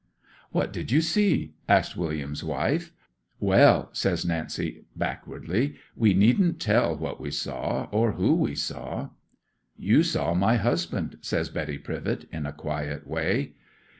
'"What did you see?" asked William's wife. '"Well," says Nancy, backwardly—"we needn't tell what we saw, or who we saw." '"You saw my husband," says Betty Privett, in a quiet way.